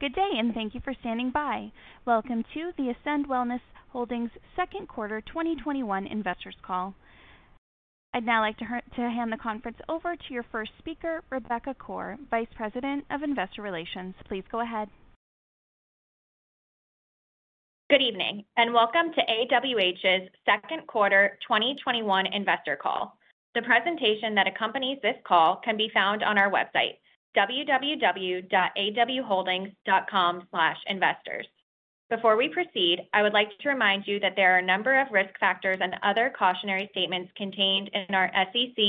Good day, and thank you for standing by. Welcome to the Wellness Holdings Second Quarter 2021 Investors Call. I'd now like to hand the conference over to your first speaker, Rebecca Koar, Vice President of Investor Relations. Please go ahead. Good evening, and welcome to AWH's Second Quarter 2021 Investor Call. The presentation that accompanies this call can be found on our website, www.awholdings.com/investors. Before we proceed, I would like to remind you that there are a number of risk factors and other cautionary statements contained in our SEC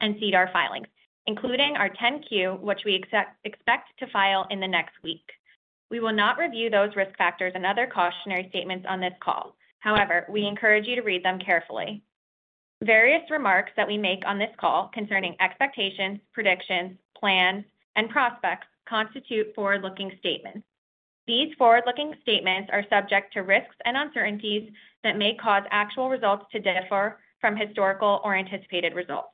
and SEDAR filings, including our 10-Q, which we expect to file in the next week. We will not review those risk factors and other cautionary statements on this call. However, we encourage you to read them carefully. Various remarks that we make on this call concerning expectations, predictions, plans, and prospects constitute forward-looking statements. These forward-looking statements are subject to risks and uncertainties that may cause actual results to differ from historical or anticipated results.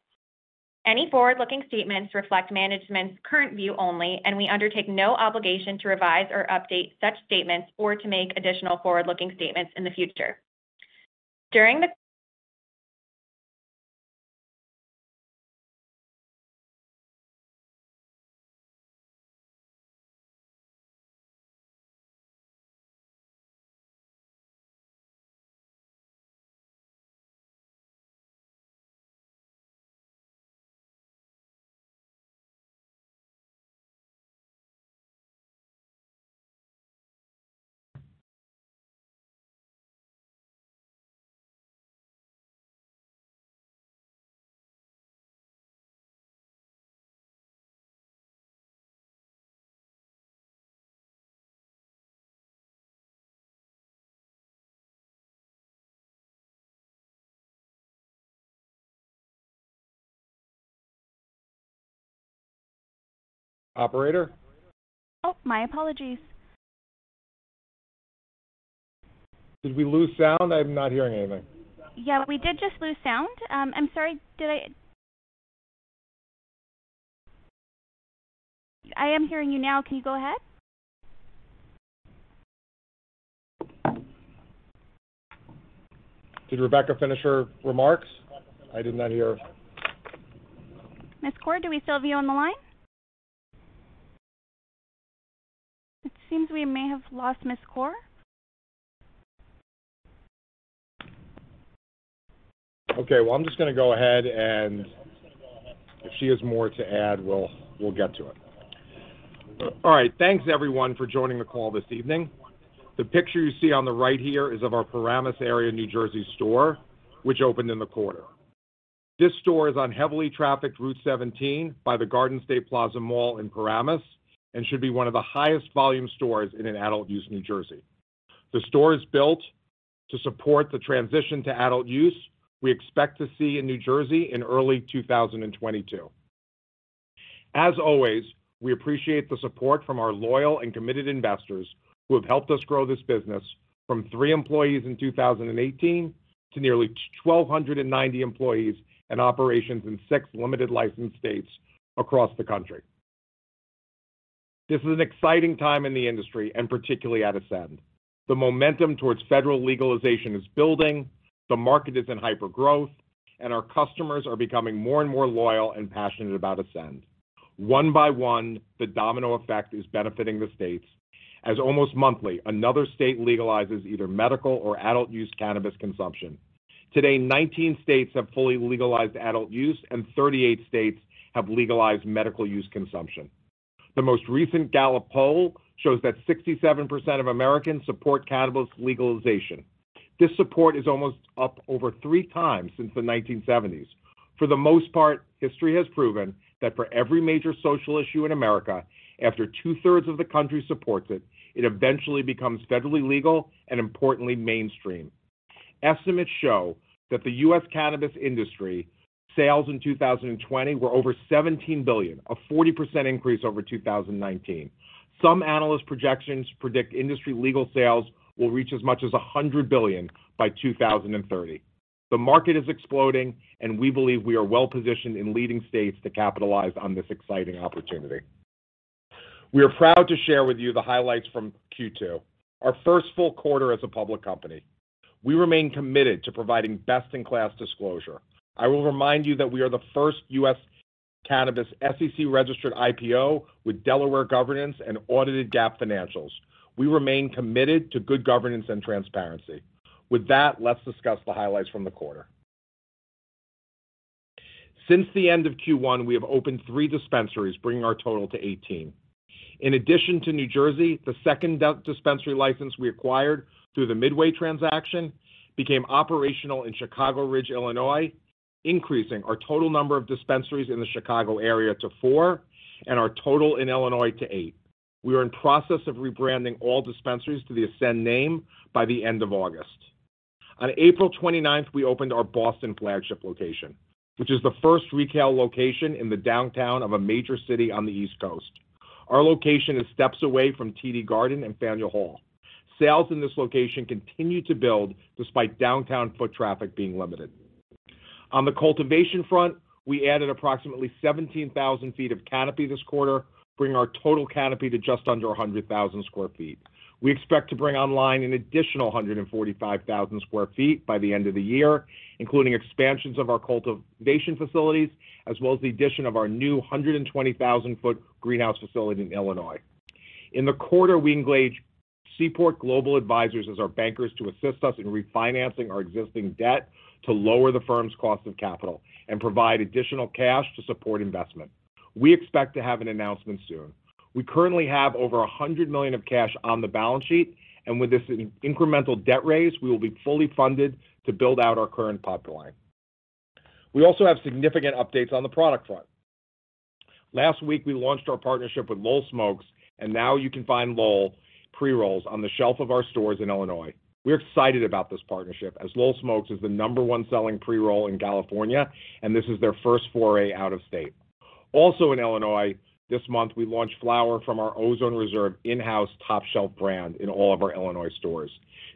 Any forward-looking statements reflect management's current view only, and we undertake no obligation to revise or update such statements or to make additional forward-looking statements in the future. Operator? Oh, my apologies. Did we lose sound? I'm not hearing anything. Yeah, we did just lose sound. I'm sorry, did I am hearing you now? Can you go ahead? Did Rebecca finish her remarks? I did not hear. Ms. Koar, do we still have you on the line? It seems we may have lost Ms. Koar. Okay, well, I'm just going to go ahead, and if she has more to add, we'll get to it. All right. Thanks, everyone, for joining the call this evening. The picture you see on the right here is of our Paramus area, New Jersey store, which opened in the quarter. This store is on heavily trafficked Route 17 by the Garden State Plaza Mall in Paramus and should be one of the highest volume stores in adult use New Jersey. The store is built to support the transition to adult use we expect to see in New Jersey in early 2022. As always, we appreciate the support from our loyal and committed investors who have helped us grow this business from three employees in 2018 to nearly 1,290 employees and operations in six limited licensed states across the country. This is an exciting time in the industry, and particularly at Ascend. The momentum towards federal legalization is building, the market is in hypergrowth, and our customers are becoming more and more loyal and passionate about Ascend. One by one, the domino effect is benefiting the states, as almost monthly, another state legalizes either medical or adult use cannabis consumption. Today, 19 states have fully legalized adult use, and 38 states have legalized medical use consumption. The most recent Gallup poll shows that 67% of Americans support cannabis legalization. This support is almost up over three times since the 1970s. For the most part, history has proven that for every major social issue in America, after two-thirds of the country supports it eventually becomes federally legal and importantly, mainstream. Estimates show that the U.S. cannabis industry sales in 2020 were over $17 billion, a 40% increase over 2019. Some analyst projections predict industry legal sales will reach as much as $100 billion by 2030. The market is exploding, and we believe we are well-positioned in leading states to capitalize on this exciting opportunity. We are proud to share with you the highlights from Q2, our first full quarter as a public company. We remain committed to providing best-in-class disclosure. I will remind you that we are the first U.S. cannabis SEC-registered IPO with Delaware governance and audited GAAP financials. We remain committed to good governance and transparency. With that, let's discuss the highlights from the quarter. Since the end of Q1, we have opened three dispensaries, bringing our total to 18. In addition to New Jersey, the second dispensary license we acquired through the Midway transaction became operational in Chicago Ridge, Illinois, increasing our total number of dispensaries in the Chicago area to four and our total in Illinois to eight. We are in process of rebranding all dispensaries to the Ascend name by the end of August. On April 29th, we opened our Boston flagship location, which is the first retail location in the downtown of a major city on the East Coast. Our location is steps away from TD Garden and Faneuil Hall. Sales in this location continue to build despite downtown foot traffic being limited. On the cultivation front, we added approximately 17,000 ft of canopy this quarter, bringing our total canopy to just under 100,000 sq ft. We expect to bring online an additional 145,000 sq ft by the end of the year, including expansions of our cultivation facilities, as well as the addition of our new 120,000-foot greenhouse facility in Illinois. In the quarter, we engaged Seaport Global Securities as our bankers to assist us in refinancing our existing debt to lower the firm's cost of capital and provide additional cash to support investment. We expect to have an announcement soon. We currently have over $100 million of cash on the balance sheet, and with this incremental debt raise, we will be fully funded to build out our current pipeline. We also have significant updates on the product front. Last week, we launched our partnership with Lowell Smokes, and now you can find Lowell pre-rolls on the shelf of our stores in Illinois. We're excited about this partnership, as Lowell Smokes is the number one selling pre-roll in California, and this is their first foray out of state. Also in Illinois, this month, we launched flower from our Ozone Reserve in-house top-shelf brand in all of our Illinois stores.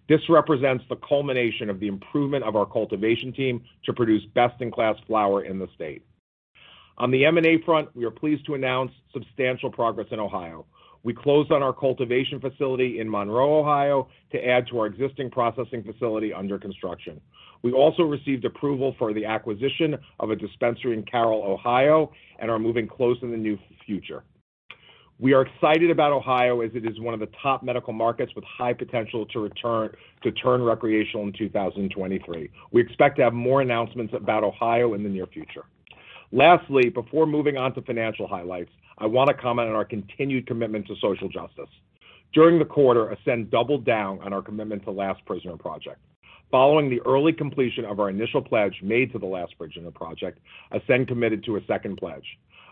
This represents the culmination of the improvement of our cultivation team to produce best-in-class flower in the state. On the M&A front, we are pleased to announce substantial progress in Ohio. We closed on our cultivation facility in Monroe, Ohio, to add to our existing processing facility under construction. We also received approval for the acquisition of a dispensary in Carroll, Ohio, and are moving close in the near future. We are excited about Ohio, as it is one of the top medical markets with high potential to turn recreational in 2023. We expect to have more announcements about Ohio in the near future. Lastly, before moving on to financial highlights, I want to comment on our continued commitment to social justice. During the quarter, Ascend doubled down on our commitment to Last Prisoner Project. Following the early completion of our initial pledge made to the Last Prisoner Project, Ascend committed to a second pledge.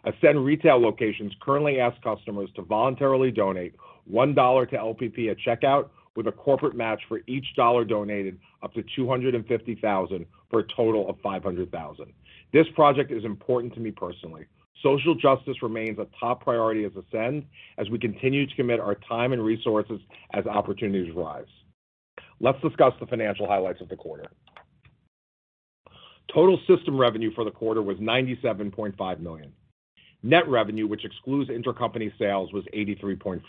Ascend retail locations currently ask customers to voluntarily donate $1 to LPP at checkout with a corporate match for each dollar donated, up to $250,000, for a total of $500,000. This project is important to me personally. Social justice remains a top priority at Ascend as we continue to commit our time and resources as opportunities arise. Let's discuss the financial highlights of the quarter. Total system revenue for the quarter was $97.5 million. Net revenue, which excludes intercompany sales, was $83.4 million.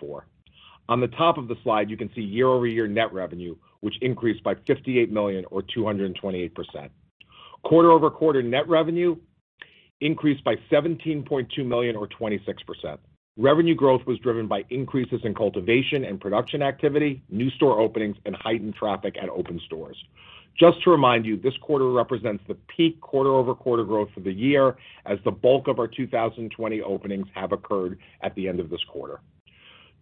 On the top of the slide, you can see year-over-year net revenue, which increased by $58 million or 228%. Quarter-over-quarter net revenue increased by $17.2 million or 26%. Revenue growth was driven by increases in cultivation and production activity, new store openings, and heightened traffic at open stores. Just to remind you, this quarter represents the peak quarter-over-quarter growth for the year, as the bulk of our 2020 openings have occurred at the end of this quarter.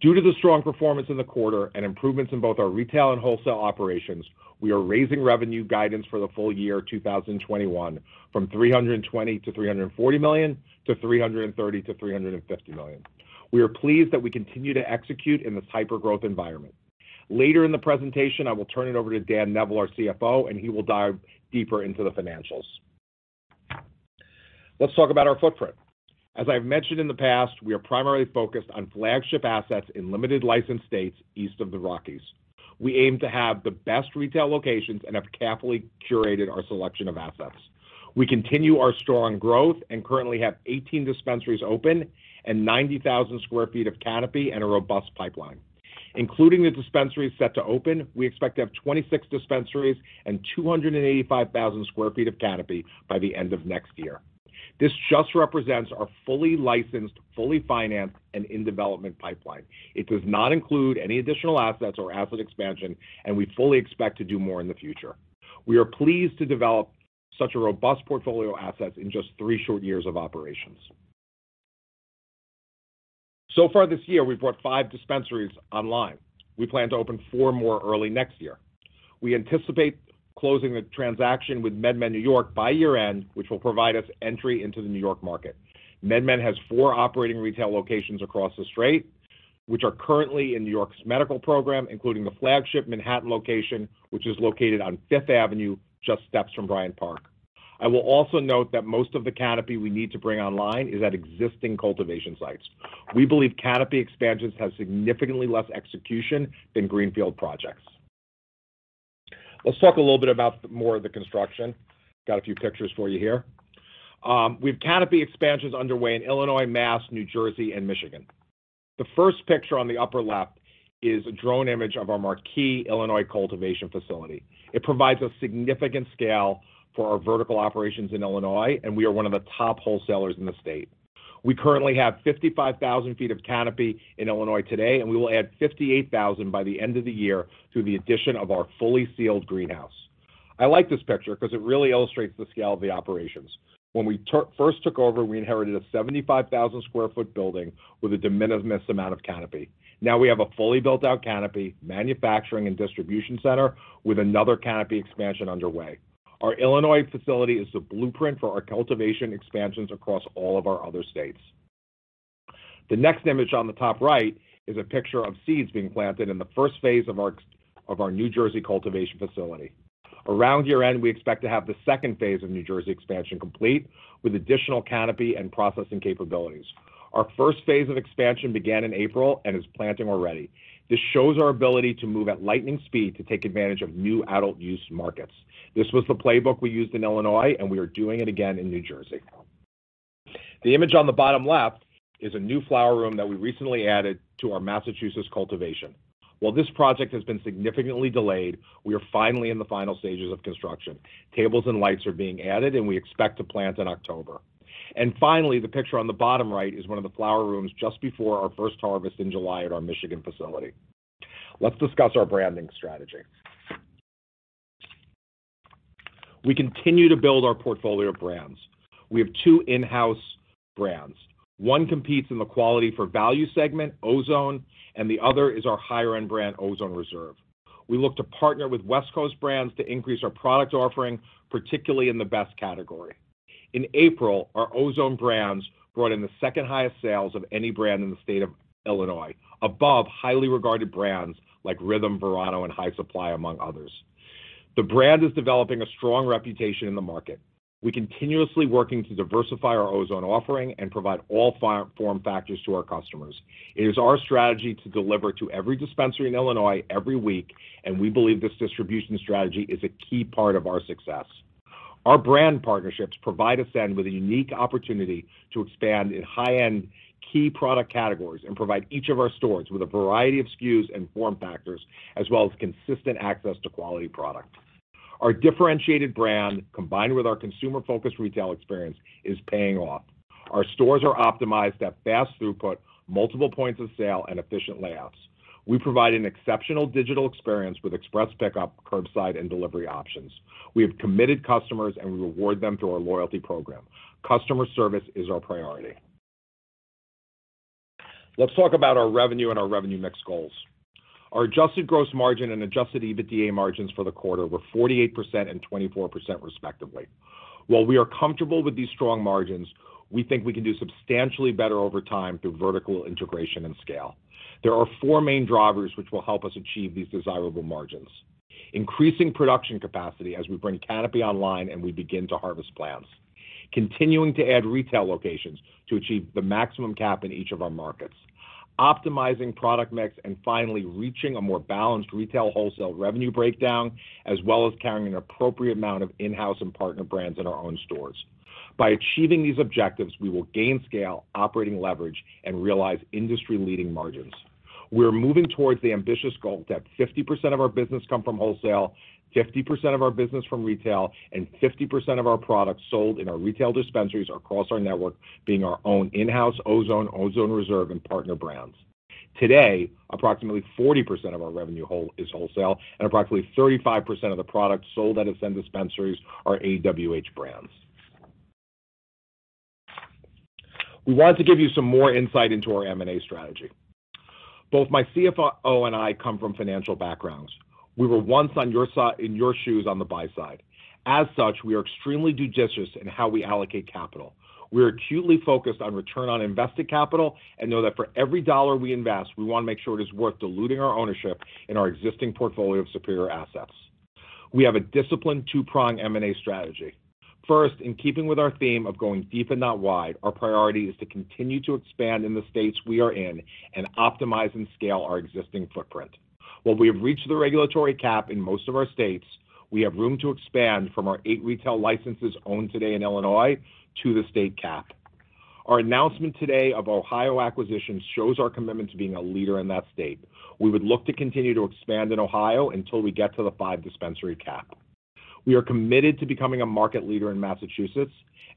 Due to the strong performance in the quarter and improvements in both our retail and wholesale operations, we are raising revenue guidance for the full year 2021 from $320 million-$340 million to $330 million-$350 million. We are pleased that we continue to execute in this hyper-growth environment. Later in the presentation, I will turn it over to Dan Neville, our CFO, and he will dive deeper into the financials. Let's talk about our footprint. As I've mentioned in the past, we are primarily focused on flagship assets in limited license states east of the Rockies. We aim to have the best retail locations and have carefully curated our selection of assets. We continue our strong growth and currently have 18 dispensaries open and 90,000 sq ft of canopy and a robust pipeline. Including the dispensaries set to open, we expect to have 26 dispensaries and 285,000 sq ft of canopy by the end of next year. This just represents our fully licensed, fully financed, and in-development pipeline. It does not include any additional assets or asset expansion, and we fully expect to do more in the future. We are pleased to develop such a robust portfolio of assets in just three short years of operations. So far this year, we've brought five dispensaries online. We plan to open four more early next year. We anticipate closing the transaction with MedMen New York by year-end, which will provide us entry into the New York market. MedMen has four operating retail locations across the state, which are currently in New York's medical program, including the flagship Manhattan location, which is located on Fifth Avenue, just steps from Bryant Park. I will also note that most of the canopy we need to bring online is at existing cultivation sites. We believe canopy expansions have significantly less execution than greenfield projects. Let's talk a little bit about more of the construction. Got a few pictures for you here. We've canopy expansions underway in Illinois, Mass, New Jersey, and Michigan. The first picture on the upper left is a drone image of our marquee Illinois cultivation facility. It provides a significant scale for our vertical operations in Illinois, and we are one of the top wholesalers in the state. We currently have 55,000 ft of canopy in Illinois today, and we will add 58,000 by the end of the year through the addition of our fully sealed greenhouse. I like this picture because it really illustrates the scale of the operations. When we first took over, we inherited a 75,000-sq ft building with a de minimis amount of canopy. Now we have a fully built-out canopy, manufacturing and distribution center with another canopy expansion underway. Our Illinois facility is the blueprint for our cultivation expansions across all of our other states. The next image on the top right is a picture of seeds being planted in the first phase of our New Jersey cultivation facility. Around year-end, we expect to have the second phase of New Jersey expansion complete, with additional canopy and processing capabilities. Our first phase of expansion began in April and is planting already. This shows our ability to move at lightning speed to take advantage of new adult use markets. This was the playbook we used in Illinois, and we are doing it again in New Jersey. The image on the bottom left is a new flower room that we recently added to our Massachusetts cultivation. While this project has been significantly delayed, we are finally in the final stages of construction. Tables and lights are being added, and we expect to plant in October. Finally, the picture on the bottom right is one of the flower rooms just before our first harvest in July at our Michigan facility. Let's discuss our branding strategy. We continue to build our portfolio of brands. We have two in-house brands. One competes in the quality for value segment, Ozone, and the other is our higher-end brand, Ozone Reserve. We look to partner with West Coast brands to increase our product offering, particularly in the best category. In April, our Ozone brands brought in the second highest sales of any brand in the state of Illinois, above highly regarded brands like RYTHM, Verano, and High Supply, among others. The brand is developing a strong reputation in the market. We continuously working to diversify our Ozone offering and provide all form factors to our customers. It is our strategy to deliver to every dispensary in Illinois every week, and we believe this distribution strategy is a key part of our success. Our brand partnerships provide Ascend with a unique opportunity to expand in high-end key product categories and provide each of our stores with a variety of SKUs and form factors, as well as consistent access to quality product. Our differentiated brand, combined with our consumer-focused retail experience, is paying off. Our stores are optimized at fast throughput, multiple points of sale, and efficient layouts. We provide an exceptional digital experience with express pickup, curbside, and delivery options. We have committed customers, and we reward them through our loyalty program. Customer service is our priority. Let's talk about our revenue and our revenue mix goals. Our adjusted gross margin and adjusted EBITDA margins for the quarter were 48% and 24%, respectively. While we are comfortable with these strong margins, we think we can do substantially better over time through vertical integration and scale. There are four main drivers which will help us achieve these desirable margins. Increasing production capacity as we bring canopy online and we begin to harvest plants. Continuing to add retail locations to achieve the maximum cap in each of our markets. Optimizing product mix, finally, reaching a more balanced retail wholesale revenue breakdown, as well as carrying an appropriate amount of in-house and partner brands in our own stores. By achieving these objectives, we will gain scale, operating leverage, and realize industry-leading margins. We are moving towards the ambitious goal that 50% of our business come from wholesale, 50% of our business from retail, and 50% of our products sold in our retail dispensaries across our network being our own in-house Ozone, Ozone Reserve, and partner brands. Today, approximately 40% of our revenue is wholesale, and approximately 35% of the products sold at Ascend dispensaries are AWH brands. We wanted to give you some more insight into our M&A strategy. Both my CFO and I come from financial backgrounds. We were once in your shoes on the buy side. As such, we are extremely judicious in how we allocate capital. We are acutely focused on return on invested capital and know that for every $1 we invest, we want to make sure it is worth diluting our ownership in our existing portfolio of superior assets. We have a disciplined two-pronged M&A strategy. First, in keeping with our theme of going deep and not wide, our priority is to continue to expand in the states we are in and optimize and scale our existing footprint. While we have reached the regulatory cap in most of our states, we have room to expand from our eight retail licenses owned today in Illinois to the state cap. Our announcement today of Ohio acquisition shows our commitment to being a leader in that state. We would look to continue to expand in Ohio until we get to the five dispensary cap.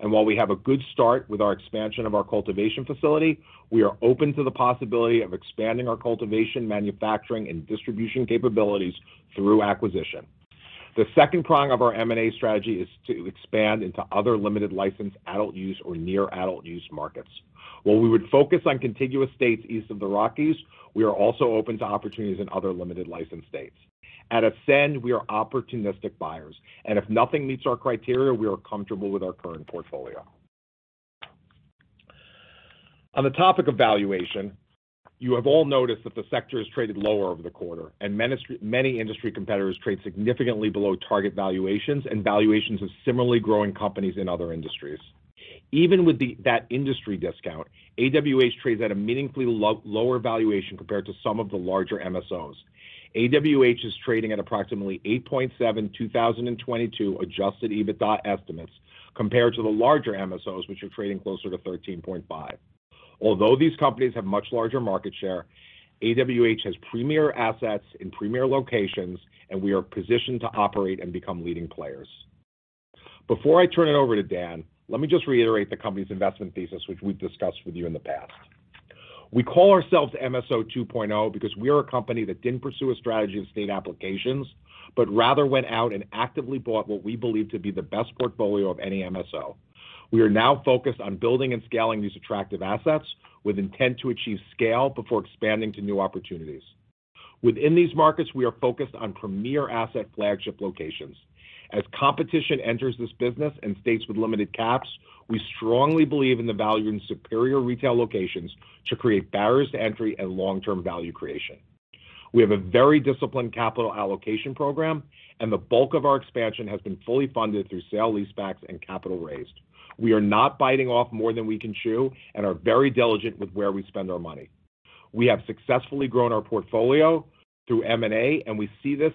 While we have a good start with our expansion of our cultivation facility, we are open to the possibility of expanding our cultivation, manufacturing, and distribution capabilities through acquisition. The second prong of our M&A strategy is to expand into other limited license adult use or near adult use markets. While we would focus on contiguous states east of the Rockies, we are also open to opportunities in other limited license states. At Ascend, we are opportunistic buyers, if nothing meets our criteria, we are comfortable with our current portfolio. On the topic of valuation, you have all noticed that the sector has traded lower over the quarter, and many industry competitors trade significantly below target valuations and valuations of similarly growing companies in other industries. Even with that industry discount, AWH trades at a meaningfully lower valuation compared to some of the larger MSOs. AWH is trading at approximately 8.7 2022 adjusted EBITDA estimates compared to the larger MSOs, which are trading closer to 13.5. Although these companies have much larger market share, AWH has premier assets in premier locations, and we are positioned to operate and become leading players. Before I turn it over to Dan, let me just reiterate the company's investment thesis, which we've discussed with you in the past. We call ourselves MSO 2.0 because we are a company that didn't pursue a strategy of state applications, but rather went out and actively bought what we believe to be the best portfolio of any MSO. We are now focused on building and scaling these attractive assets with intent to achieve scale before expanding to new opportunities. Within these markets, we are focused on premier asset flagship locations. As competition enters this business in states with limited caps, we strongly believe in the value in superior retail locations to create barriers to entry and long-term value creation. We have a very disciplined capital allocation program. The bulk of our expansion has been fully funded through sale-leasebacks and capital raised. We are not biting off more than we can chew and are very diligent with where we spend our money. We have successfully grown our portfolio through M&A, and we see this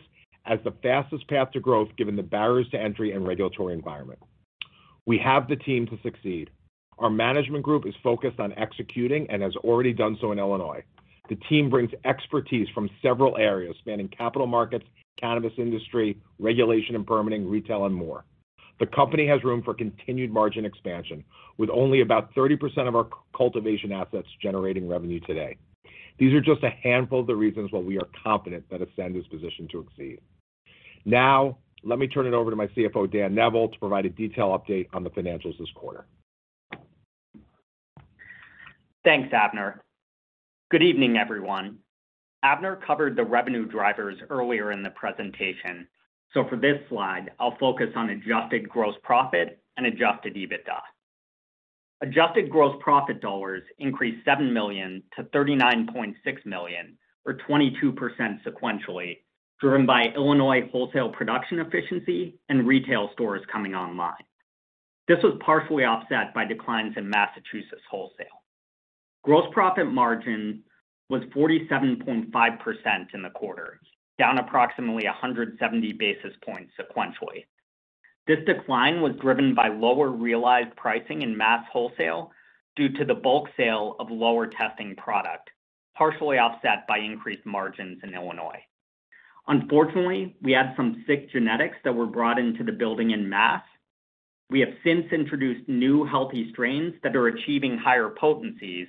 as the fastest path to growth given the barriers to entry and regulatory environment. We have the team to succeed. Our management group is focused on executing and has already done so in Illinois. The team brings expertise from several areas, spanning capital markets, cannabis industry, regulation and permitting, retail, and more. The company has room for continued margin expansion, with only about 30% of our cultivation assets generating revenue today. These are just a handful of the reasons why we are confident that Ascend is positioned to succeed. Now, let me turn it over to my CFO, Dan Neville, to provide a detailed update on the financials this quarter. Thanks, Abner. Good evening, everyone. Abner covered the revenue drivers earlier in the presentation. For this slide, I'll focus on adjusted gross profit and adjusted EBITDA. Adjusted gross profit dollars increased $7 million to $39.6 million, or 22% sequentially, driven by Illinois wholesale production efficiency and retail stores coming online. This was partially offset by declines in Massachusetts wholesale. Gross profit margin was 47.5% in the quarter, down approximately 170 basis points sequentially. This decline was driven by lower realized pricing in Massachusetts wholesale due to the bulk sale of lower testing product, partially offset by increased margins in Illinois. Unfortunately, we had some sick genetics that were brought into the building in Massachusetts. We have since introduced new healthy strains that are achieving higher potencies.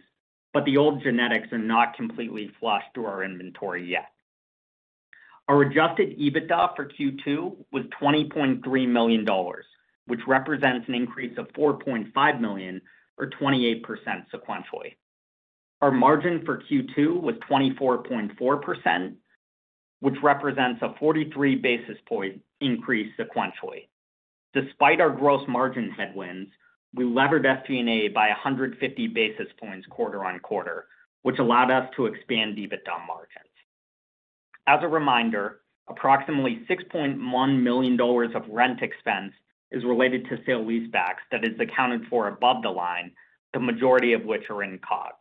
The old genetics are not completely flushed through our inventory yet. Our adjusted EBITDA for Q2 was $20.3 million, which represents an increase of $4.5 million, or 28% sequentially. Our margin for Q2 was 24.4%, which represents a 43 basis point increase sequentially. Despite our gross margin headwinds, we levered SG&A by 150 basis points quarter-on-quarter, which allowed us to expand EBITDA margins. As a reminder, approximately $6.1 million of rent expense is related to sale-leasebacks that is accounted for above the line, the majority of which are in COGS.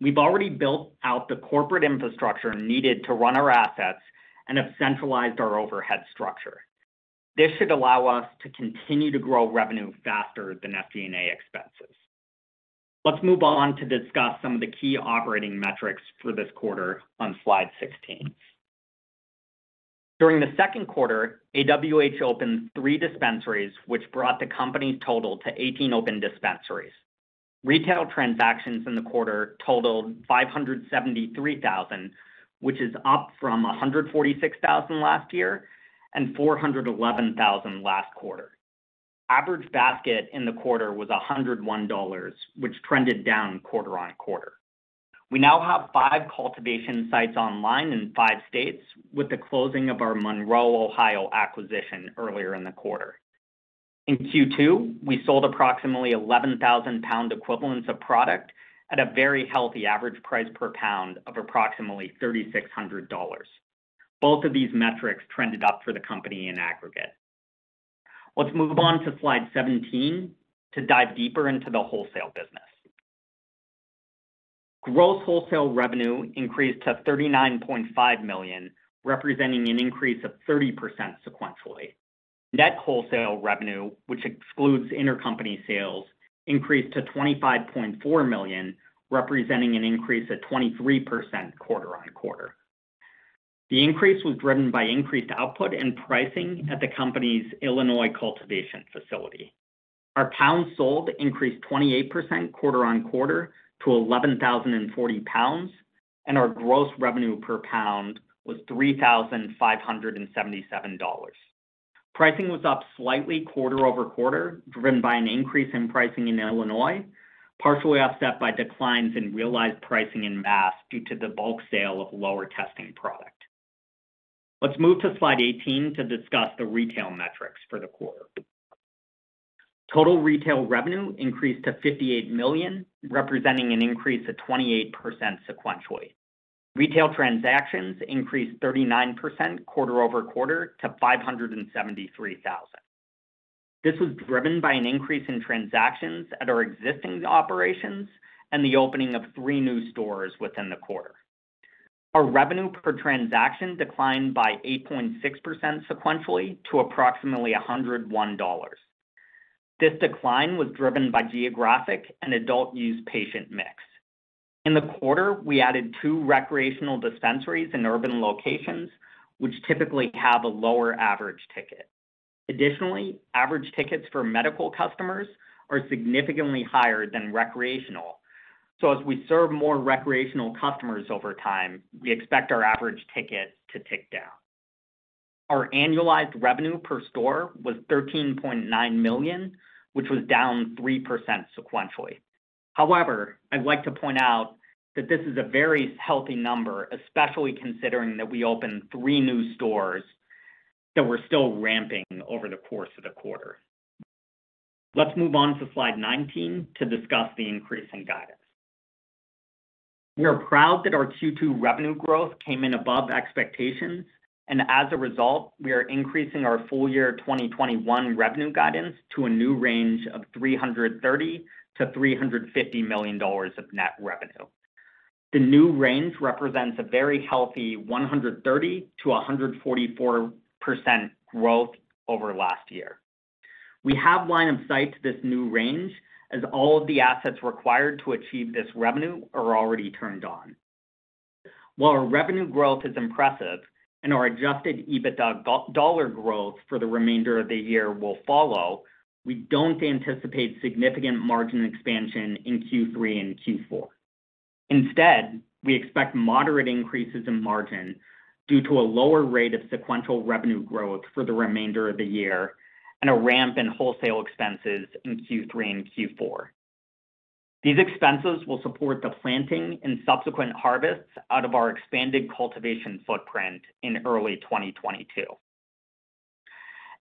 We've already built out the corporate infrastructure needed to run our assets and have centralized our overhead structure. This should allow us to continue to grow revenue faster than SG&A expenses. Let's move on to discuss some of the key operating metrics for this quarter on slide 16. During the second quarter, AWH opened three dispensaries, which brought the company's total to 18 open dispensaries. Retail transactions in the quarter totaled 573,000, which is up from 146,000 last year and 411,000 last quarter. Average basket in the quarter was $101, which trended down quarter-on-quarter. We now have five cultivation sites online in five states, with the closing of our Monroe, Ohio acquisition earlier in the quarter. In Q2, we sold approximately 11,000 lb equivalents of product at a very healthy average price per pound of approximately $3,600. Both of these metrics trended up for the company in aggregate. Let's move on to slide 17 to dive deeper into the wholesale business. Gross wholesale revenue increased to $39.5 million, representing an increase of 30% sequentially. Net wholesale revenue, which excludes intercompany sales, increased to $25.4 million, representing an increase of 23% quarter-on-quarter. The increase was driven by increased output and pricing at the company's Illinois cultivation facility. Our pounds sold increased 28% quarter-on-quarter to 11,040 lb, and our gross revenue per pound was $3,577. Pricing was up slightly quarter-over-quarter, driven by an increase in pricing in Illinois, partially offset by declines in realized pricing in mass due to the bulk sale of lower testing product. Let's move to slide 18 to discuss the retail metrics for the quarter. Total retail revenue increased to $58 million, representing an increase of 28% sequentially. Retail transactions increased 39% quarter-over-quarter to 573,000. This was driven by an increase in transactions at our existing operations and the opening of three new stores within the quarter. Our revenue per transaction declined by 8.6% sequentially to approximately $101. This decline was driven by geographic and adult use patient mix. In the quarter, we added two recreational dispensaries in urban locations, which typically have a lower average ticket. Additionally, average tickets for medical customers are significantly higher than recreational. As we serve more recreational customers over time, we expect our average ticket to tick down. Our annualized revenue per store was $13.9 million, which was down 3% sequentially. However, I'd like to point out that this is a very healthy number, especially considering that we opened three new stores that were still ramping over the course of the quarter. Let's move on to slide 19 to discuss the increase in guidance. We are proud that our Q2 revenue growth came in above expectations, and as a result, we are increasing our full year 2021 revenue guidance to a new range of $330 million-$350 million of net revenue. The new range represents a very healthy 130%-144% growth over last year. We have line of sight to this new range as all of the assets required to achieve this revenue are already turned on. While our revenue growth is impressive and our adjusted EBITDA dollar growth for the remainder of the year will follow, we don't anticipate significant margin expansion in Q3 and Q4. Instead, we expect moderate increases in margin due to a lower rate of sequential revenue growth for the remainder of the year and a ramp in wholesale expenses in Q3 and Q4. These expenses will support the planting and subsequent harvests out of our expanded cultivation footprint in early 2022.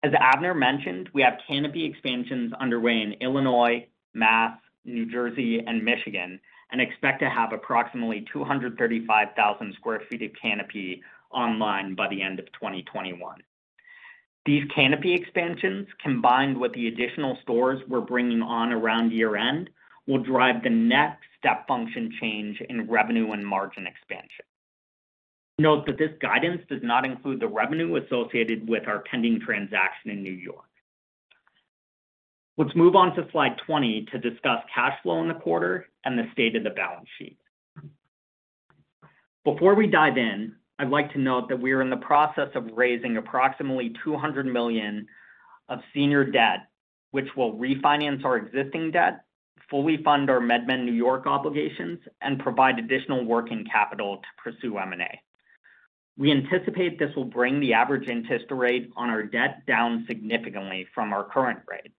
As Abner mentioned, we have canopy expansions underway in Illinois, Mass, New Jersey, and Michigan, and expect to have approximately 235,000 sq ft of canopy online by the end of 2021. These canopy expansions, combined with the additional stores we're bringing on around year-end, will drive the next step function change in revenue and margin expansion. Note that this guidance does not include the revenue associated with our pending transaction in New York. Let's move on to slide 20 to discuss cash flow in the quarter and the state of the balance sheet. Before we dive in, I'd like to note that we are in the process of raising approximately $200 million of senior debt, which will refinance our existing debt, fully fund our MedMen New York obligations, and provide additional working capital to pursue M&A. We anticipate this will bring the average interest rate on our debt down significantly from our current rate.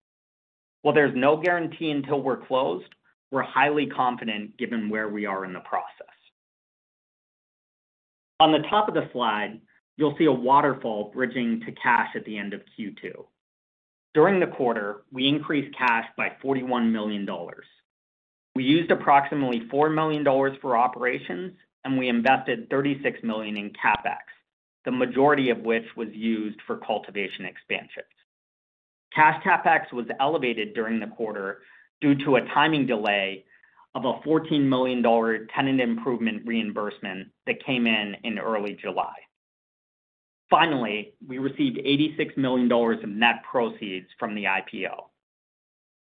While there's no guarantee until we're closed, we're highly confident given where we are in the process. On the top of the slide, you'll see a waterfall bridging to cash at the end of Q2. During the quarter, we increased cash by $41 million. We used approximately $4 million for operations, and we invested $36 million in CapEx, the majority of which was used for cultivation expansions. Cash CapEx was elevated during the quarter due to a timing delay of a $14 million tenant improvement reimbursement that came in in early July. Finally, we received $86 million in net proceeds from the IPO.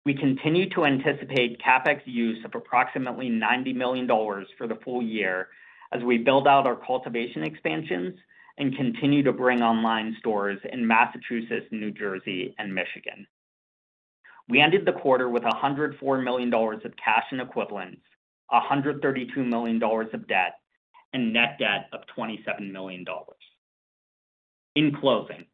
We continue to anticipate CapEx use of approximately $90 million for the full year as we build out our cultivation expansions and continue to bring online stores in Massachusetts, New Jersey, and Michigan. We ended the quarter with $104 million of cash and equivalents, $132 million of debt, and net debt of $27 million. In closing,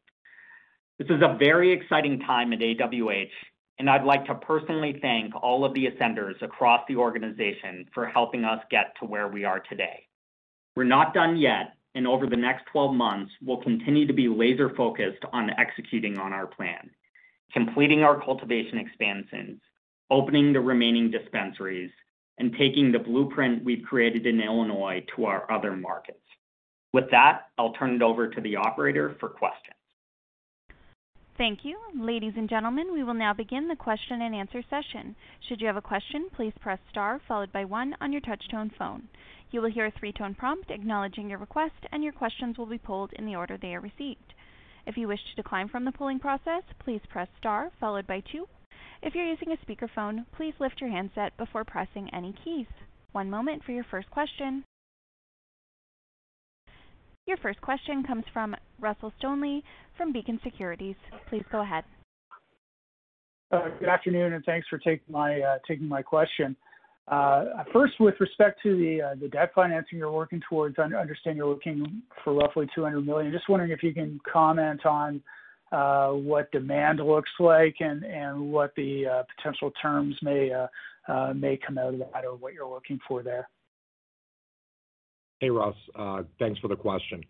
this is a very exciting time at AWH, and I'd like to personally thank all of the Ascenders across the organization for helping us get to where we are today. We're not done yet, and over the next 12 months, we'll continue to be laser-focused on executing on our plan, completing our cultivation expansions, opening the remaining dispensaries, and taking the blueprint we've created in Illinois to our other markets. With that, I'll turn it over to the operator for questions. Thank you. Ladies and gentlemen, we will now begin the question and answer session. Should you have a question, please press star followed by one on your touch tone phone. You will hear three-tone prompt to acknowledging your request and your question will be polled in order they received. If you wish to decline from the plling process please press star followed by two. If you are using speaker phone, please lift your handset before pressing any keys. One moment for your first question. Your first question comes from Russell Stanley from Beacon Securities. Please go ahead. Good afternoon. Thanks for taking my question. First, with respect to the debt financing you're working towards, I understand you're looking for roughly $200 million. Just wondering if you can comment on what demand looks like and what the potential terms may come out of that, or what you're looking for there. Hey, Russ. Thanks for the question.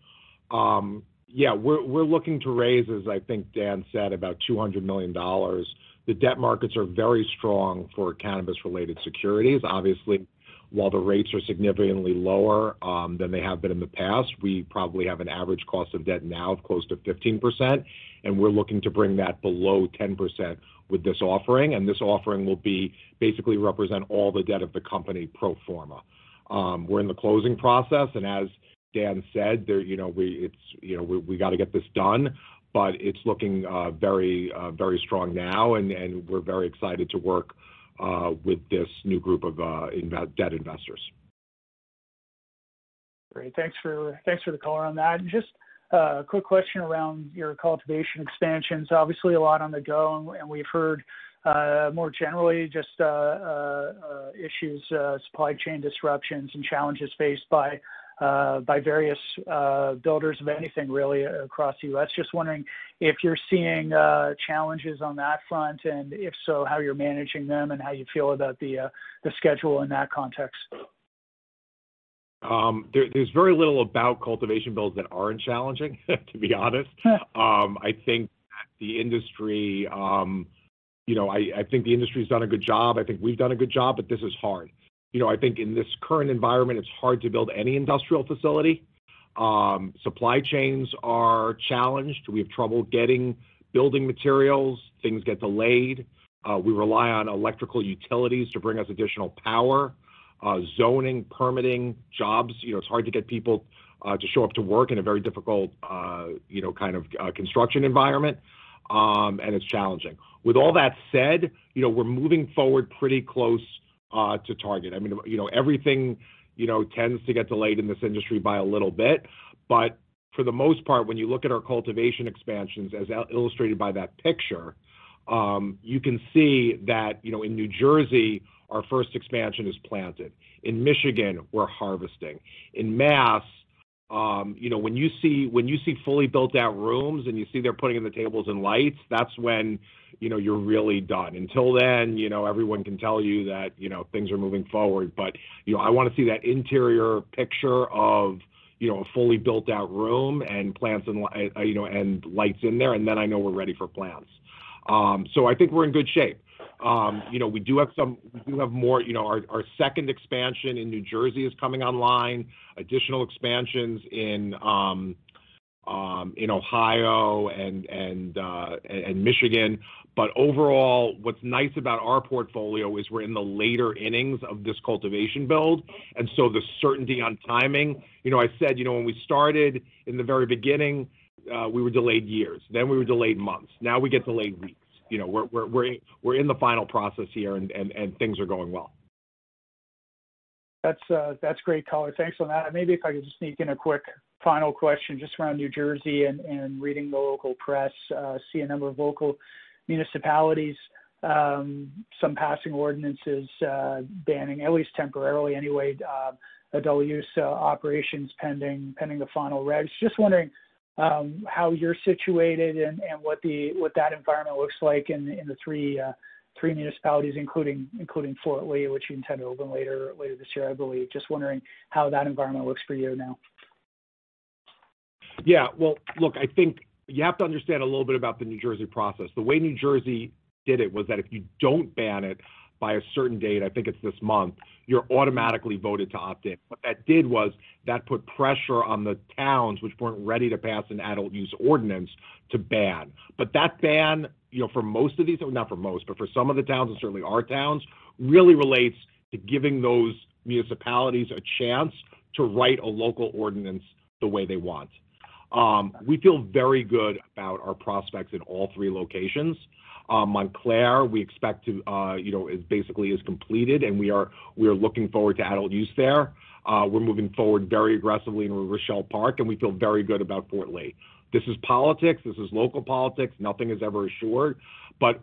Yeah, we're looking to raise, as I think Dan said, about $200 million. The debt markets are very strong for cannabis-related securities. Obviously, while the rates are significantly lower than they have been in the past, we probably have an average cost of debt now of close to 15%, and we're looking to bring that below 10% with this offering. This offering will basically represent all the debt of the company pro forma. We're in the closing process, and as Dan said, we got to get this done, but it's looking very strong now, and we're very excited to work with this new group of debt investors. Great. Thanks for the color on that. A quick question around your cultivation expansions. Obviously a lot on the go, and we've heard more generally just issues, supply chain disruptions, and challenges faced by various builders of anything, really, across the U.S. Wondering if you're seeing challenges on that front, and if so, how you're managing them and how you feel about the schedule in that context? There's very little about cultivation builds that aren't challenging, to be honest. Yeah. I think the industry's done a good job. I think we've done a good job, but this is hard. I think in this current environment, it's hard to build any industrial facility. Supply chains are challenged. We have trouble getting building materials. Things get delayed. We rely on electrical utilities to bring us additional power, zoning, permitting, jobs. It's hard to get people to show up to work in a very difficult kind of construction environment. It's challenging. With all that said, we're moving forward pretty close to target. Everything tends to get delayed in this industry by a little bit, but for the most part, when you look at our cultivation expansions, as illustrated by that picture, you can see that in New Jersey, our first expansion is planted. In Michigan, we're harvesting. In Mass, when you see fully built-out rooms and you see they're putting in the tables and lights, that's when you know you're really done. Until then, everyone can tell you that things are moving forward. I want to see that interior picture of a fully built-out room and plants and lights in there, and then I know we're ready for plants. I think we're in good shape. Our second expansion in New Jersey is coming online, additional expansions in Ohio and Michigan. Overall, what's nice about our portfolio is we're in the later innings of this cultivation build, the certainty on timing. I said when we started in the very beginning, we were delayed years, then we were delayed months. Now we get delayed weeks. We're in the final process here, and things are going well. That's great, Kurtin. Thanks for that. Maybe if I could just sneak in a quick final question just around New Jersey and reading the local press, see a number of local municipalities, some passing ordinances banning, at least temporarily anyway, adult use operations pending the final regs. Just wondering how you're situated and what that environment looks like in the three municipalities, including Fort Lee, which you intend to open later this year, I believe? Just wondering how that environment looks for you now? Look, I think you have to understand a little bit about the New Jersey process. The way New Jersey did it was that if you don't ban it by a certain date, I think it's this month, you're automatically voted to opt-in. What that did was, that put pressure on the towns, which weren't ready to pass an adult use ordinance, to ban. That ban for most of these, not for most, but for some of the towns, and certainly our towns, really relates to giving those municipalities a chance to write a local ordinance the way they want. We feel very good about our prospects in all three locations. Montclair, it basically is completed, and we are looking forward to adult use there. We're moving forward very aggressively in Rochelle Park, and we feel very good about Fort Lee. This is politics. This is local politics. Nothing is ever assured.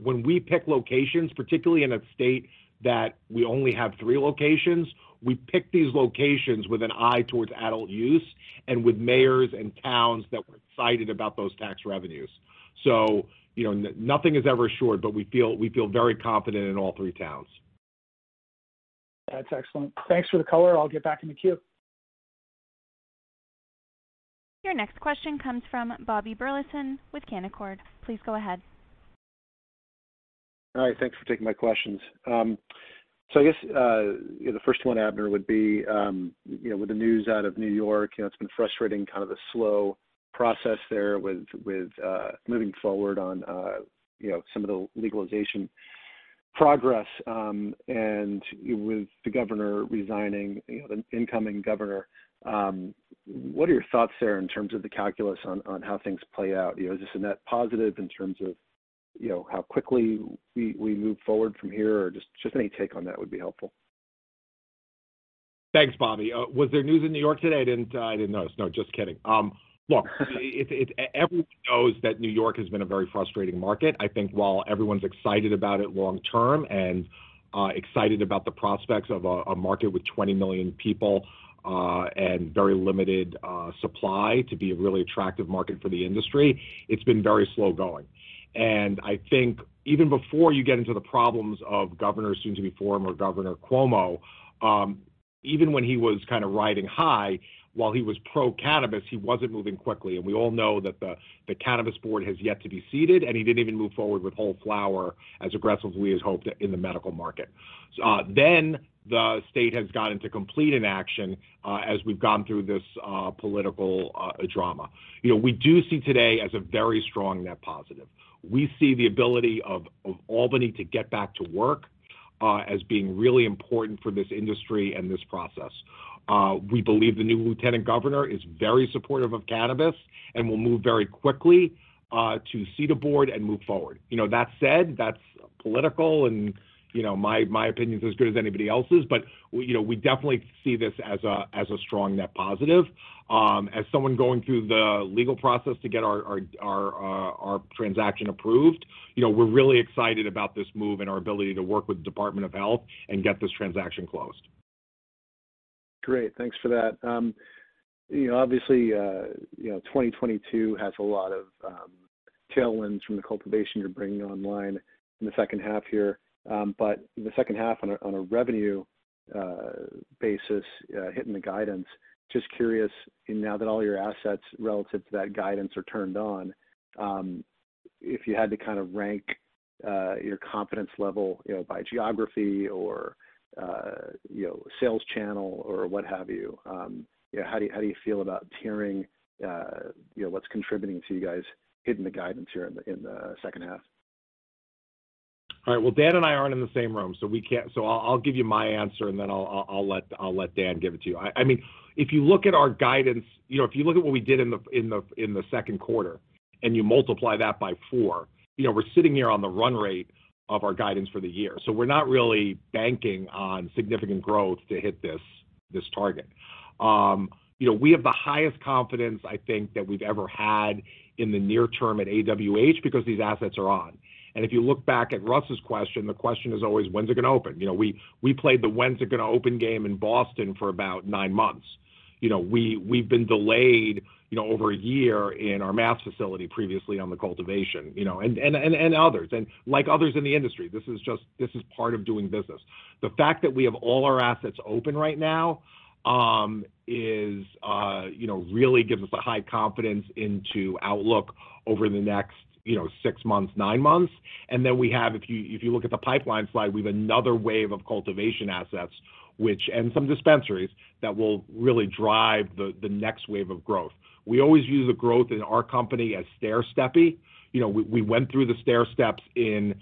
When we pick locations, particularly in a state that we only have three locations, we pick these locations with an eye towards adult use and with mayors and towns that were excited about those tax revenues. Nothing is ever assured, but we feel very confident in all three towns. That's excellent. Thanks for the color. I'll get back in the queue. Your next question comes from Bobby Burleson with Canaccord. Please go ahead. All right. Thanks for taking my questions. I guess, the first one, Abner, would be, with the news out of New York, it's been frustrating, kind of the slow process there with moving forward on some of the legalization progress, and with the governor resigning, the incoming governor. What are your thoughts there in terms of the calculus on how things play out? Is this a net positive in terms of how quickly we move forward from here? Just any take on that would be helpful. Thanks, Bobby. Was there news in New York today? I didn't notice. No, just kidding. Look, everyone knows that New York has been a very frustrating market. I think while everyone's excited about it long term and excited about the prospects of a market with 20 million people, and very limited supply to be a really attractive market for the industry, it's been very slow-going. I think even before you get into the problems of Governor, soon to be former Governor Cuomo, even when he was kind of riding high, while he was pro-cannabis, he wasn't moving quickly. We all know that the cannabis board has yet to be seated, and he didn't even move forward with whole flower as aggressively as hoped in the medical market. The state has gone into complete inaction as we've gone through this political drama. We do see today as a very strong net positive. We see the ability of Albany to get back to work as being really important for this industry and this process. We believe the new lieutenant governor is very supportive of cannabis and will move very quickly to seat a board and move forward. That said, that's political, and my opinion's as good as anybody else's, but we definitely see this as a strong net positive. As someone going through the legal process to get our transaction approved, we're really excited about this move and our ability to work with the Department of Health and get this transaction closed. Great. Thanks for that. Obviously, 2022 has a lot of tailwinds from the cultivation you're bringing online in the second half here. The second half on a revenue basis, hitting the guidance, just curious, now that all your assets relative to that guidance are turned on, if you had to kind of rank your confidence level by geography or sales channel or what have you, how do you feel about tiering what's contributing to you guys hitting the guidance here in the second half? All right. Well, Dan and I aren't in the same room, so I'll give you my answer, and then I'll let Dan give it to you. If you look at our guidance, if you look at what we did in the second quarter, and you multiply that by four, we're sitting here on the run rate of our guidance for the year. We're not really banking on significant growth to hit this target. We have the highest confidence, I think, that we've ever had in the near term at AWH, because these assets are on. If you look back at Russ's question, the question is always, when's it going to open? We played the when's it going to open game in Boston for about nine months. We've been delayed over a year in our Mass facility previously on the cultivation, and others. Like others in the industry, this is part of doing business. The fact that we have all our assets open right now really gives us a high confidence into outlook over the next six months, nine months. We have, if you look at the pipeline slide, we have another wave of cultivation assets, and some dispensaries, that will really drive the next wave of growth. We always use the growth in our company as stairsteppy. We went through the stairsteps in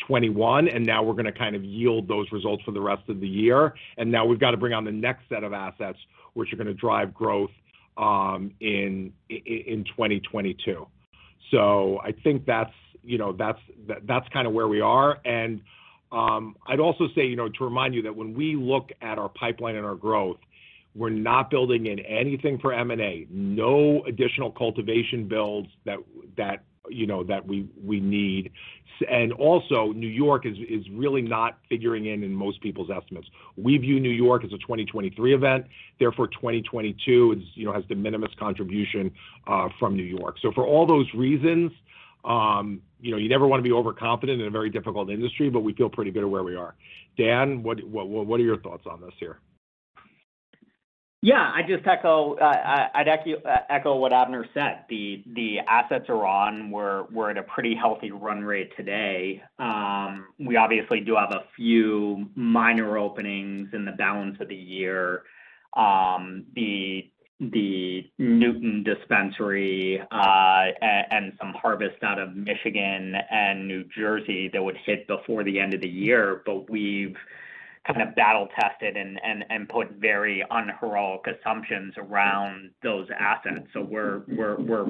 2021, and now we're going to kind of yield those results for the rest of the year, and now we've got to bring on the next set of assets, which are going to drive growth in 2022. I think that's kind of where we are. I'd also say, to remind you, that when we look at our pipeline and our growth, we're not building in anything for M&A. No additional cultivation builds that we need. Also, New York is really not figuring in in most people's estimates. We view New York as a 2023 event, therefore 2022 has de minimis contribution from New York. For all those reasons, you never want to be overconfident in a very difficult industry, but we feel pretty good at where we are. Dan, what are your thoughts on this here? Yeah, I'd echo what Abner said. The assets are on. We're at a pretty healthy run rate today. We obviously do have a few minor openings in the balance of the year. The Newton dispensary, and some harvests out of Michigan and New Jersey that would hit before the end of the year, but we've kind of battle-tested and put very unheroic assumptions around those assets. We're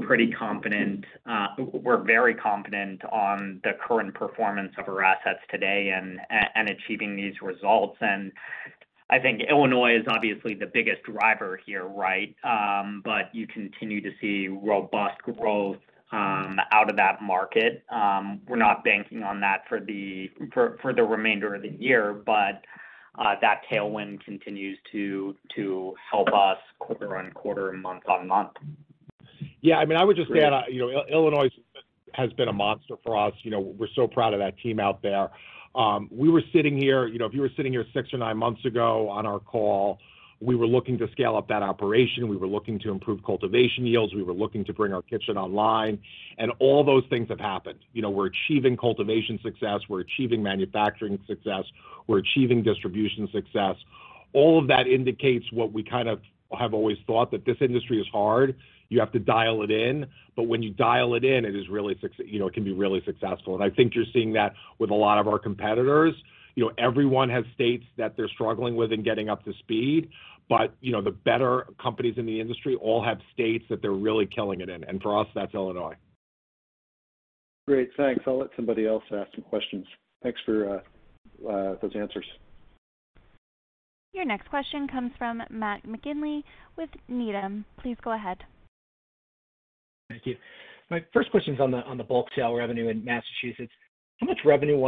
very confident on the current performance of our assets today and achieving these results. I think Illinois is obviously the biggest driver here, right? You continue to see robust growth out of that market. We're not banking on that for the remainder of the year, but that tailwind continues to help us quarter-on-quarter, and month-on-month. Yeah, I would just add, Illinois has been a monster for us. We're so proud of that team out there. If you were sitting here six or nine months ago on our call, we were looking to scale up that operation, we were looking to improve cultivation yields, we were looking to bring our kitchen online, and all those things have happened. We're achieving cultivation success, we're achieving manufacturing success, we're achieving distribution success. All of that indicates what we kind of have always thought, that this industry is hard. You have to dial it in. When you dial it in, it can be really successful, and I think you're seeing that with a lot of our competitors. Everyone has states that they're struggling with in getting up to speed, but the better companies in the industry all have states that they're really killing it in. For us, that's Illinois. Great, thanks. I'll let somebody else ask some questions. Thanks for those answers. Your next question comes from Matt McGinley with Needham. Please go ahead. Thank you. My first question's on the bulk sale revenue in Massachusetts. How much revenue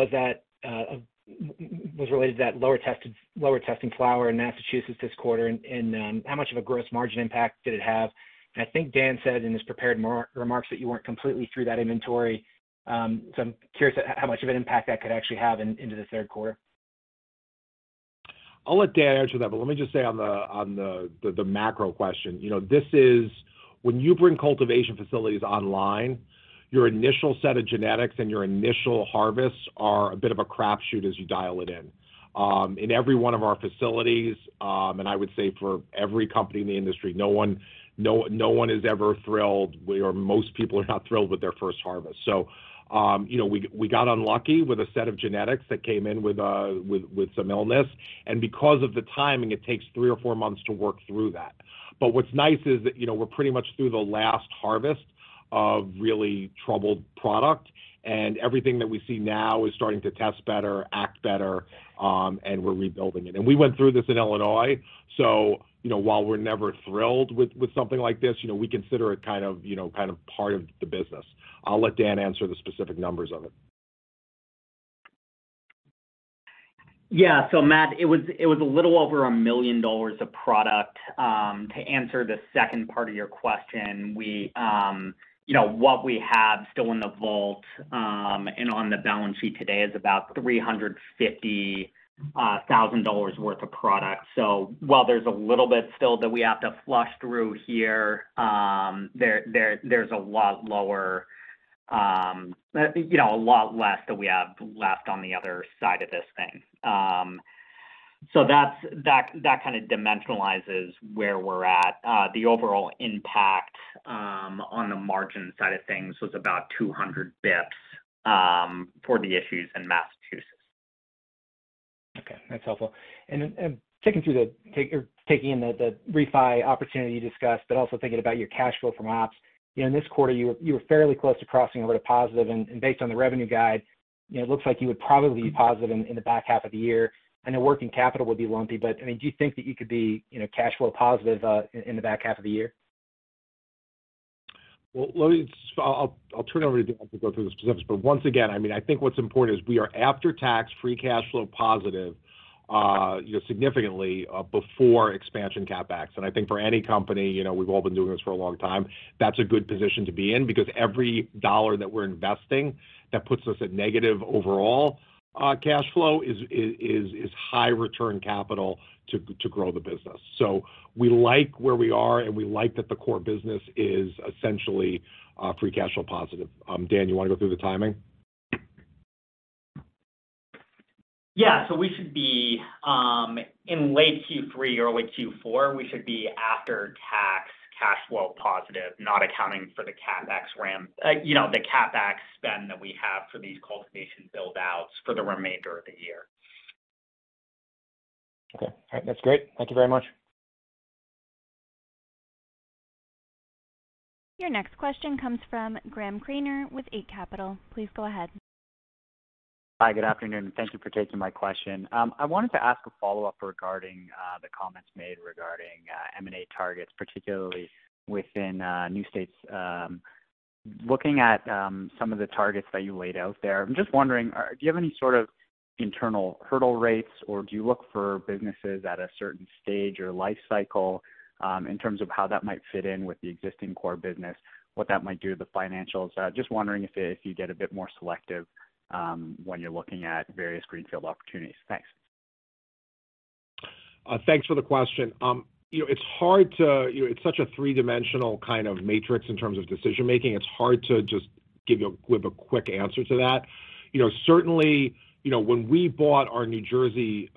was related to that lower testing flower in Massachusetts this quarter, and how much of a gross margin impact did it have? I think Dan said in his prepared remarks that you weren't completely through that inventory, so I'm curious how much of an impact that could actually have into this third quarter. I'll let Dan answer that. Let me just say on the macro question. When you bring cultivation facilities online, your initial set of genetics and your initial harvests are a bit of a crapshoot as you dial it in. In every one of our facilities, and I would say for every company in the industry, no one is ever thrilled, or most people are not thrilled with their first harvest. We got unlucky with a set of genetics that came in with some illness, and because of the timing, it takes three or four months to work through that. What's nice is that we're pretty much through the last harvest of really troubled product, and everything that we see now is starting to test better, act better, and we're rebuilding it. We went through this in Illinois, while we're never thrilled with something like this, we consider it kind of part of the business. I'll let Dan answer the specific numbers of it. Yeah. Matt, it was a little over $1 million of product. To answer the second part of your question, what we have still in the vault, and on the balance sheet today is about $350,000 worth of product. While there's a little bit still that we have to flush through here, there's a lot less that we have left on the other side of this thing. That kind of dimensionalizes where we're at. The overall impact on the margin side of things was about 200 basis points for the issues in Massachusetts. Okay, that's helpful. Taking in the refi opportunity you discussed, but also thinking about your cash flow from ops. In this quarter, you were fairly close to crossing over to positive, and based on the revenue guide, it looks like you would probably be positive in the back half of the year. I know working capital will be lumpy, but do you think that you could be cash flow positive in the back half of the year? I'll turn it over to Dan to go through the specifics. Once again, I think what's important is we are after-tax free cash flow positive significantly before expansion CapEx. I think for any company, we've all been doing this for a long time, that's a good position to be in because every dollar that we're investing that puts us at negative overall cash flow is high return capital to grow the business. We like where we are, and we like that the core business is essentially free cash flow positive. Dan, you want to go through the timing? In late Q3 or late Q4, we should be after-tax cash flow positive, not accounting for the CapEx spend that we have for these cultivation build-outs for the remainder of the year. Okay. All right. That's great. Thank you very much. Your next question comes from Graeme Kreindler with Eight Capital. Please go ahead. Hi, good afternoon, and thank you for taking my question. I wanted to ask a follow-up regarding the comments made regarding M&A targets, particularly within new states. Looking at some of the targets that you laid out there, I'm just wondering, do you have any sort of internal hurdle rates, or do you look for businesses at a certain stage or life cycle, in terms of how that might fit in with the existing core business, what that might do to the financials? Just wondering if you get a bit more selective when you're looking at various greenfield opportunities. Thanks. Thanks for the question. It's such a three-dimensional kind of matrix in terms of decision-making. It's hard to just give a quick answer to that. Certainly, when we bought our New Jersey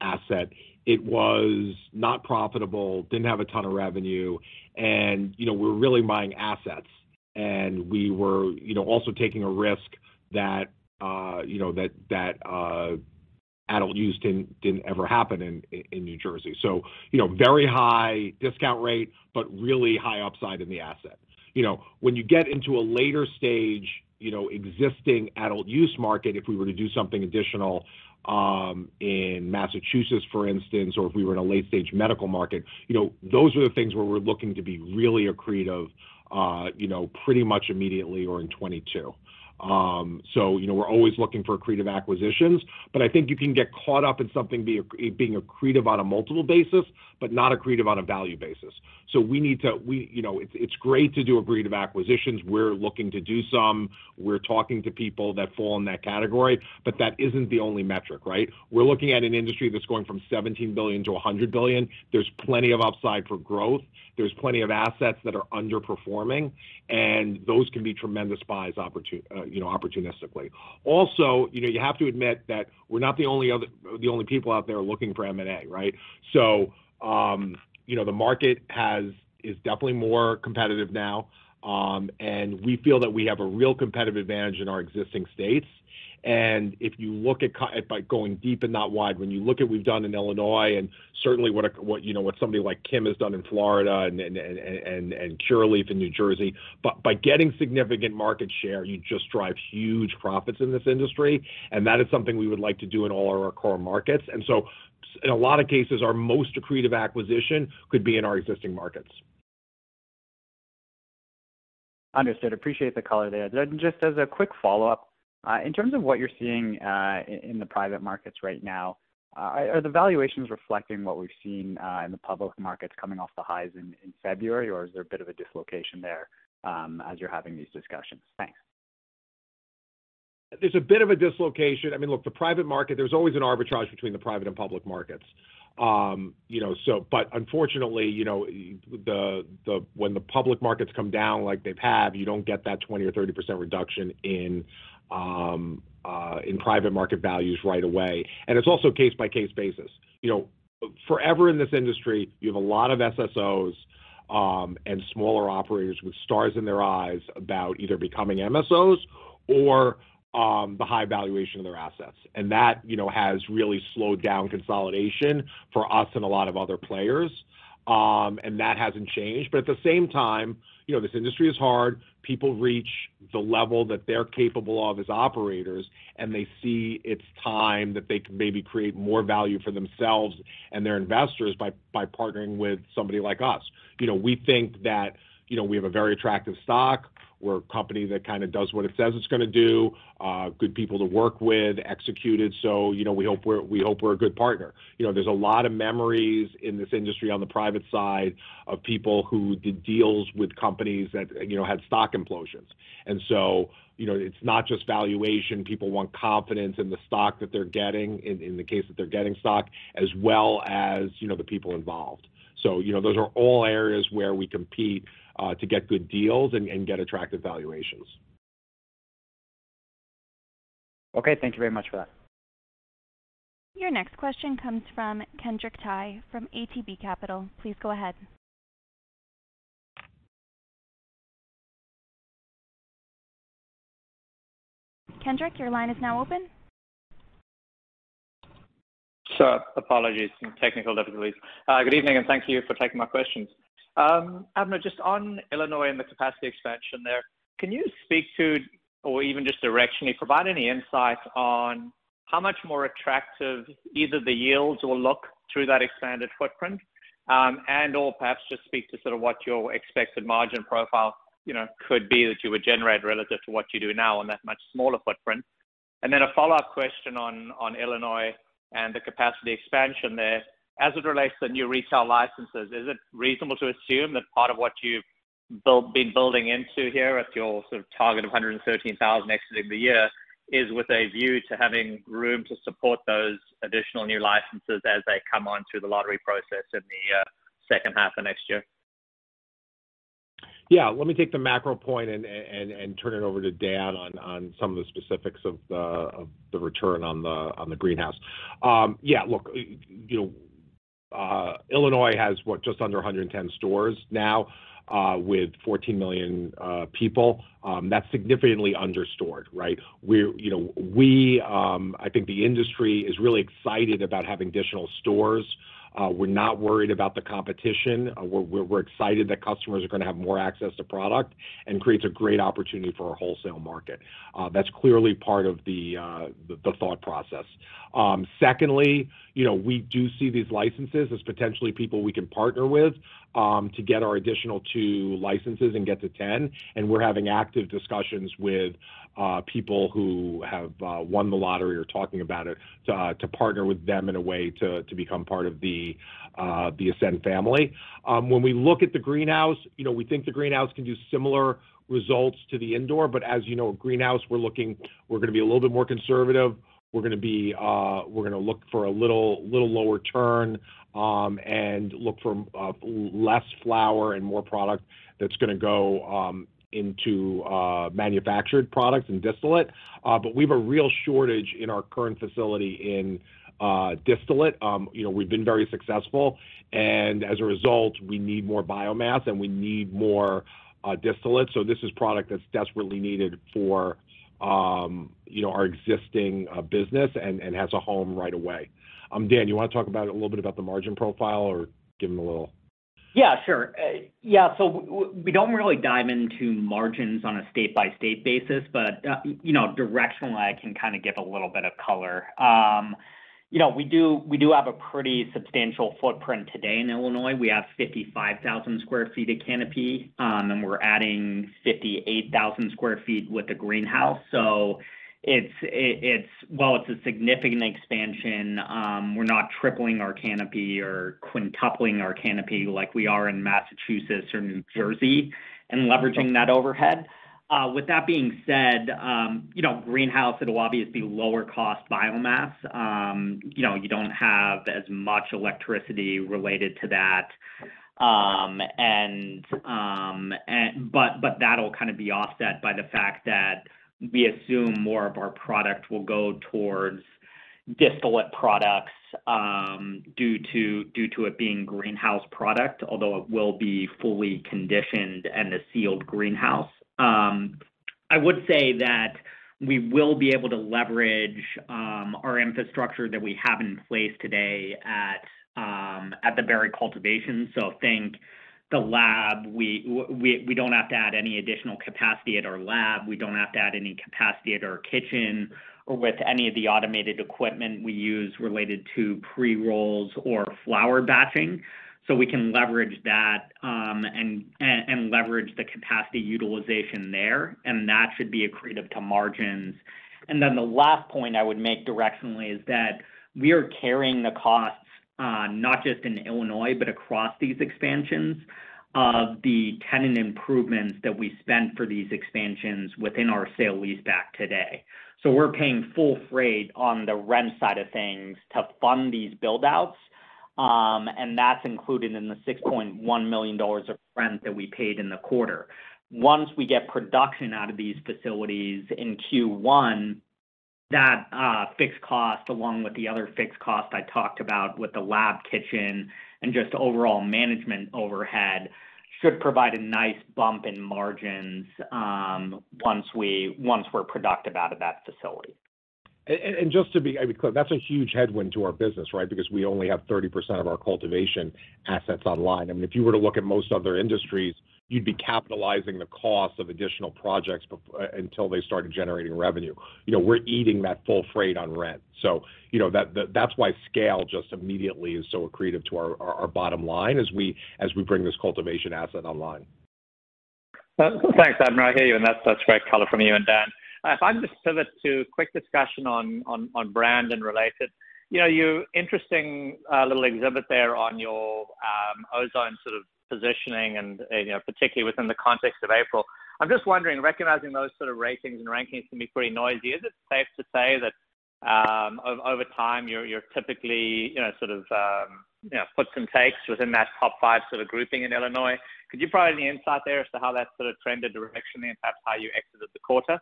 asset, it was not profitable, didn't have a ton of revenue, and we were really buying assets. We were also taking a risk that adult use didn't ever happen in New Jersey. Very high discount rate, but really high upside in the asset. When you get into a later stage existing adult use market, if we were to do something additional in Massachusetts, for instance, or if we were in a late-stage medical market, those are the things where we're looking to be really accretive pretty much immediately or in 2022. We're always looking for accretive acquisitions, but I think you can get caught up in something being accretive on a multiple basis, but not accretive on a value basis. It's great to do accretive acquisitions. We're looking to do some, we're talking to people that fall in that category, but that isn't the only metric, right? We're looking at an industry that's going from $17 billion to $100 billion. There's plenty of upside for growth. There's plenty of assets that are underperforming, and those can be tremendous buys opportunistically. You have to admit that we're not the only people out there looking for M&A, right? The market is definitely more competitive now. We feel that we have a real competitive advantage in our existing states. If you look at by going deep and not wide, when you look at what we've done in Illinois and certainly what somebody like Kim has done in Florida and Curaleaf in New Jersey. By getting significant market share, you just drive huge profits in this industry, and that is something we would like to do in all of our core markets. In a lot of cases, our most accretive acquisition could be in our existing markets. Understood. Appreciate the color there. Just as a quick follow-up, in terms of what you're seeing in the private markets right now, are the valuations reflecting what we've seen in the public markets coming off the highs in February, or is there a bit of a dislocation there as you're having these discussions? Thanks. There's a bit of a dislocation. Look, the private market, there's always an arbitrage between the private and public markets. Unfortunately, when the public markets come down like they've had, you don't get that 20% or 30% reduction in private market values right away. It's also case-by-case basis. Forever in this industry, you have a lot of SSOs, and smaller operators with stars in their eyes about either becoming MSOs or the high valuation of their assets. That has really slowed down consolidation for us and a lot of other players, and that hasn't changed. At the same time, this industry is hard. People reach the level that they're capable of as operators, and they see it's time that they can maybe create more value for themselves and their investors by partnering with somebody like us. We think that we have a very attractive stock. We're a company that kind of does what it says it's going to do, good people to work with, executed. We hope we're a good partner. There's a lot of memories in this industry on the private side of people who did deals with companies that had stock implosions. It's not just valuation. People want confidence in the stock that they're getting, in the case that they're getting stock, as well as the people involved. Those are all areas where we compete to get good deals and get attractive valuations. Okay. Thank you very much for that. Your next question comes from Kenric Tyghe from ATB Capital. Please go ahead. Kenric, your line is now open. Sir, apologies, some technical difficulties. Good evening, thank you for taking my questions. Abner, just on Illinois and the capacity expansion there, can you speak to, or even just directionally provide any insight on how much more attractive either the yields will look through that expanded footprint, and/or perhaps just speak to sort of what your expected margin profile could be that you would generate relative to what you do now on that much smaller footprint. A follow-up question on Illinois and the capacity expansion there. As it relates to new retail licenses, is it reasonable to assume that part of what you've been building into here at your sort of target of 113,000 next to the year is with a view to having room to support those additional new licenses as they come on through the lottery process in the second half of next year? Let me take the macro point and turn it over to Dan on some of the specifics of the return on the greenhouse. Look, Illinois has what? Just under 110 stores now, with 14 million people. That's significantly under-stored, right? I think the industry is really excited about having additional stores. We're not worried about the competition. We're excited that customers are going to have more access to product and creates a great opportunity for our wholesale market. That's clearly part of the thought process. Secondly, we do see these licenses as potentially people we can partner with to get our additional two licenses and get to 10, and we're having active discussions with people who have won the lottery or talking about it, to partner with them in a way to become part of the Ascend family. When we look at the greenhouse, we think the greenhouse can do similar results to the indoor, as you know, greenhouse, we're going to be a little bit more conservative. We're going to look for a little lower turn, look for less flower and more product that's going to go into manufactured products and distillate. We have a real shortage in our current facility in distillate. We've been very successful, as a result, we need more biomass and we need more distillate. This is product that's desperately needed for our existing business and has a home right away. Dan, you want to talk a little bit about the margin profile or give them a little. Sure. We don't really dive into margins on a state-by-state basis. Directionally, I can kind of give a little bit of color. We do have a pretty substantial footprint today in Illinois. We have 55,000 sq ft of canopy, and we're adding 58,000 sq ft with the greenhouse. While it's a significant expansion, we're not tripling our canopy or quintupling our canopy like we are in Massachusetts or New Jersey and leveraging that overhead. With that being said, greenhouse, it'll obviously be lower cost biomass. You don't have as much electricity related to that. That'll kind of be offset by the fact that we assume more of our product will go towards distillate products, due to it being greenhouse product, although it will be fully conditioned and a sealed greenhouse. I would say that we will be able to leverage our infrastructure that we have in place today at the Barry cultivation. Think the lab. We don't have to add any additional capacity at our lab. We don't have to add any capacity at our kitchen or with any of the automated equipment we use related to pre-rolls or flower batching. We can leverage that and leverage the capacity utilization there, and that should be accretive to margins. The last point I would make directionally is that we are carrying the costs, not just in Illinois, but across these expansions of the tenant improvements that we spent for these expansions within our sale-leaseback today. We're paying full freight on the rent side of things to fund these build-outs, and that's included in the $6.1 million of rent that we paid in the quarter. Once we get production out of these facilities in Q1, that fixed cost, along with the other fixed cost I talked about with the lab kitchen and just overall management overhead, should provide a nice bump in margins once we're productive out of that facility. Just to be clear, that's a huge headwind to our business, right? Because we only have 30% of our cultivation assets online. If you were to look at most other industries, you'd be capitalizing the cost of additional projects until they started generating revenue. We're eating that full freight on rent. That's why scale just immediately is so accretive to our bottom line as we bring this cultivation asset online. Thanks, Kurtin. I hear you, and that's great color from you and Dan. If I can just pivot to a quick discussion on brand and related. Your interesting little exhibit there on your Ozone positioning and particularly within the context of April. I'm just wondering, recognizing those sort of ratings and rankings can be pretty noisy, is it safe to say that over time, you're typically put some takes within that top five grouping in Illinois. Could you provide any insight there as to how that sort of trended directionally and perhaps how you exited the quarter?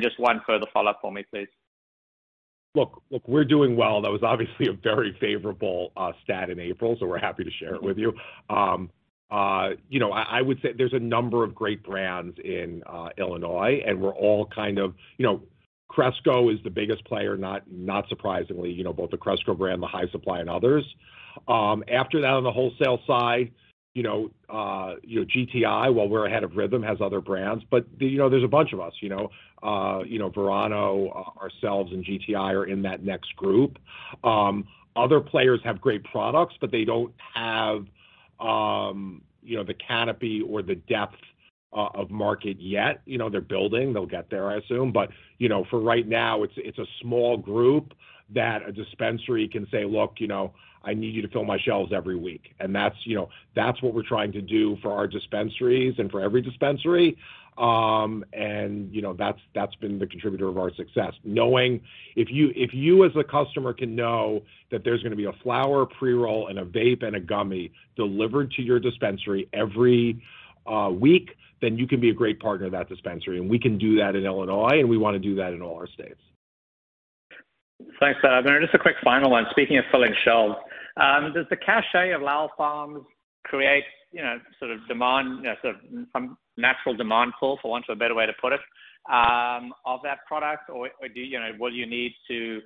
Just one further follow-up for me, please. Look, we're doing well. That was obviously a very favorable stat in April, so we're happy to share it with you. I would say there's a number of great brands in Illinois, and we're all kind of Cresco is the biggest player, not surprisingly, both the Cresco brand, the High Supply, and others. After that, on the wholesale side, GTI, while we're ahead of RYTHM, has other brands. There's a bunch of us. Verano, ourselves, and GTI are in that next group. Other players have great products, but they don't have the canopy or the depth of market yet. They're building. They'll get there, I assume. For right now, it's a small group that a dispensary can say, "Look, I need you to fill my shelves every week." That's what we're trying to do for our dispensaries and for every dispensary, and that's been the contributor of our success. Knowing if you, as a customer, can know that there's going to be a flower, pre-roll, and a vape, and a gummy delivered to your dispensary every week, then you can be a great partner of that dispensary, and we can do that in Illinois, and we want to do that in all our states. Thanks, Kurtin. Just a quick final one. Speaking of filling shelves, does the cachet of Lowell Farms create some natural demand pull, for want of a better way to put it, of that product, or will you need to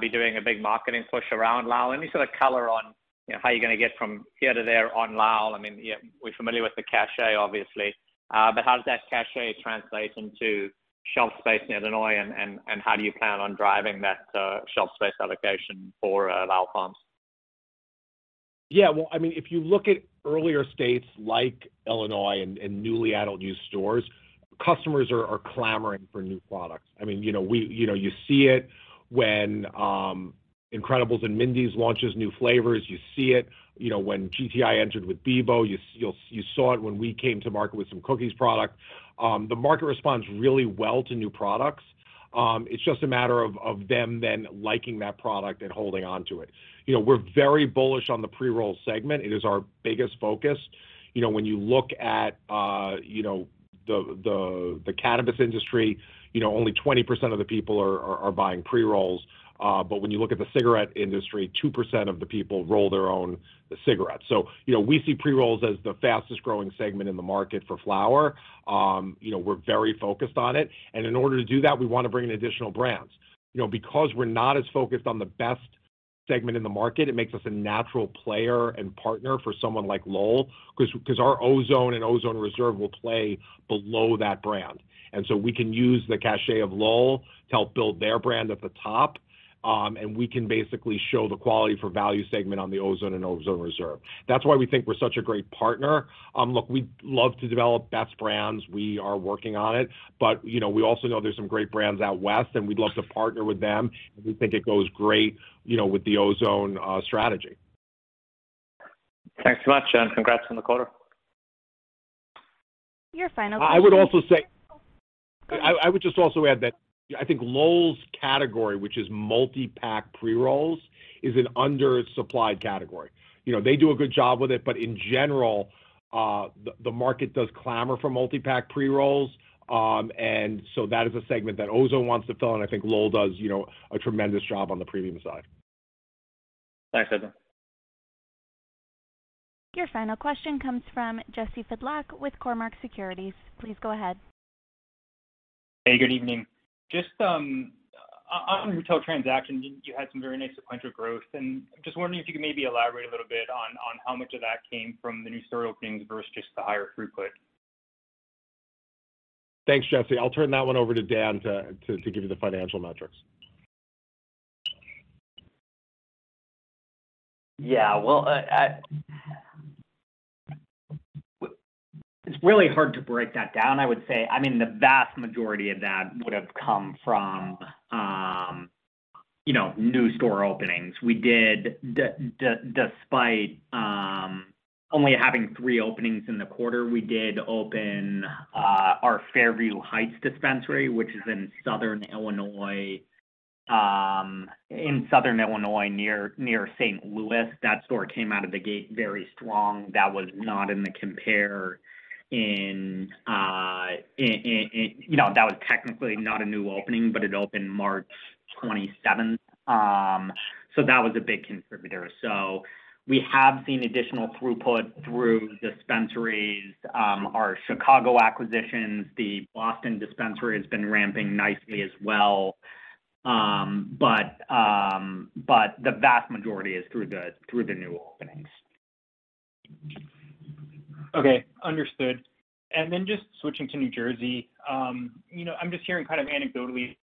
be doing a big marketing push around Lowell? Any sort of color on how you're going to get from here to there on Lowell? We're familiar with the cachet, obviously. How does that cachet translate into shelf space in Illinois, and how do you plan on driving that shelf space allocation for Lowell Farms? Yeah. If you look at earlier states like Illinois and newly adult-use stores, customers are clamoring for new products. You see it when incredibles and Mindy's launches new flavors. You see it when GTI entered with Beboe. You saw it when we came to market with some Cookies product. The market responds really well to new products. It's just a matter of them then liking that product and holding onto it. We're very bullish on the pre-roll segment. It is our biggest focus. You look at the cannabis industry, only 20% of the people are buying pre-rolls. When you look at the cigarette industry, 2% of the people roll their own cigarettes. We see pre-rolls as the fastest-growing segment in the market for flower. We're very focused on it. In order to do that, we want to bring in additional brands. Because we're not as focused on the best segment in the market, it makes us a natural player and partner for someone like Lowell, because our Ozone and Ozone Reserve will play below that brand. So we can use the cachet of Lowell to help build their brand at the top, and we can basically show the quality for value segment on the Ozone and Ozone Reserve. That's why we think we're such a great partner. Look, we'd love to develop best brands. We are working on it. We also know there's some great brands out west, and we'd love to partner with them, and we think it goes great with the Ozone strategy. Thanks so much, and congrats on the quarter. Your final question- I would just also add that I think Lowell's category, which is multi-pack pre-rolls, is an under-supplied category. They do a good job with it, but in general, the market does clamor for multi-pack pre-rolls. That is a segment that Ozone wants to fill, and I think Lowell does a tremendous job on the premium side. Thanks, Kurtin. Your final question comes from Jesse Pytlak with Cormark Securities. Please go ahead. Hey, good evening. Just on retail transactions, you had some very nice sequential growth, and just wondering if you could maybe elaborate a little bit on how much of that came from the new store openings versus just the higher throughput. Thanks, Jesse. I'll turn that one over to Dan to give you the financial metrics. It's really hard to break that down. I would say the vast majority of that would have come from new store openings. Despite only having three openings in the quarter, we did open our Fairview Heights dispensary, which is in Southern Illinois near St. Louis. That store came out of the gate very strong. That was technically not a new opening, but it opened March 27th, so that was a big contributor. We have seen additional throughput through dispensaries. Our Chicago acquisitions, the Boston dispensary has been ramping nicely as well. The vast majority is through the new openings. Okay. Understood. Just switching to New Jersey, I'm just hearing kind of anecdotally.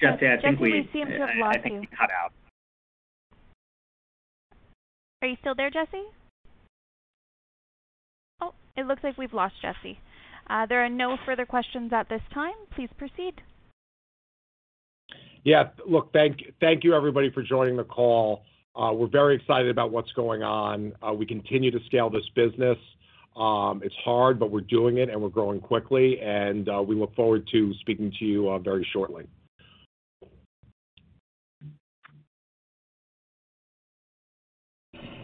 Jesse, I think. Jesse, we seem to have lost you. I think you cut out. Are you still there, Jesse? Oh, it looks like we've lost Jesse. There are no further questions at this time. Please proceed. Yeah. Look, thank you everybody for joining the call. We're very excited about what's going on. We continue to scale this business. It's hard, but we're doing it and we're growing quickly, and we look forward to speaking to you very shortly.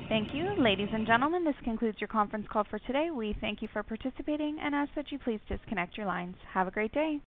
Thank you. Ladies and gentlemen, this concludes your conference call for today. We thank you for participating and ask that you please disconnect your lines. Have a great day.